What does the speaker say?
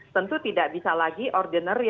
tentu tidak bisa lagi ordinary